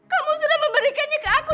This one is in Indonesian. kamu sudah memberikannya ke aku